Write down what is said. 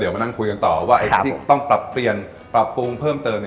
มานั่งคุยกันต่อว่าไอ้ที่ต้องปรับเปลี่ยนปรับปรุงเพิ่มเติม